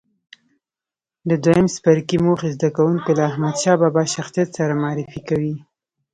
د دویم څپرکي موخې زده کوونکي له احمدشاه بابا شخصیت سره معرفي کوي.